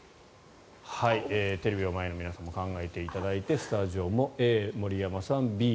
テレビをご覧の皆さんも考えていただいてスタジオも、森山さん